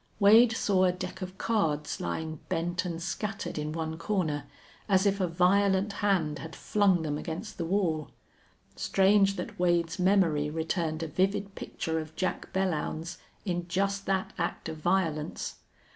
Wade saw a deck of cards lying bent and scattered in one corner, as if a violent hand had flung them against the wall. Strange that Wade's memory returned a vivid picture of Jack Belllounds in just that act of violence!